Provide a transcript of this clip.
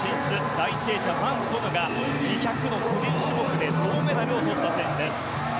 第１泳者、ファン・ソヌは２００の個人種目で銅メダルをとった選手です。